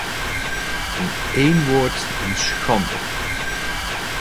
In één woord, een schande!